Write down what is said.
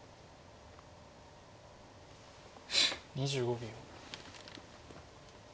２５秒。